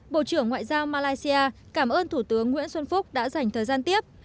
bộ trưởng ngoại giao malaysia cảm ơn thủ tướng nguyễn xuân phúc đã dành thời gian tiếp